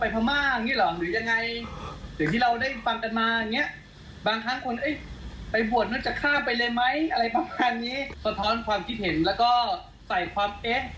แต่ว่าเออเราไปตัวแทนล่ะกัน